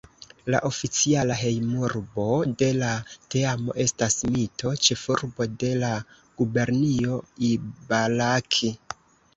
La oficiala hejmurbo de la teamo estas Mito, ĉefurbo de la gubernio Ibaraki.